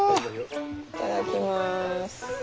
いただきます。